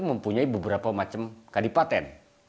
mempunyai beberapa macam kadipaten